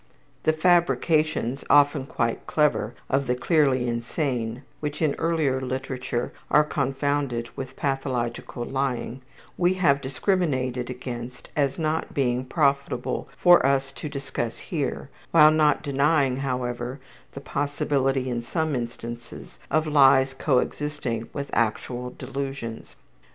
The fabrications, often quite clever, of the clearly insane, which in earlier literature are confounded with pathological lying, we have discriminated against as not being profitable for us to discuss here, while not denying, however, the possibility in some instances of lies coexisting with actual delusions.